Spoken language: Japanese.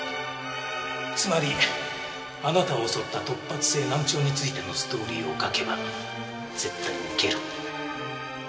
つまりあなたを襲った突発性難聴についてのストーリーを書けば絶対に受ける。